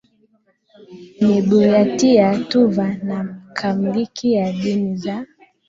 ni Buryatia Tuva na Kalmykia Dini za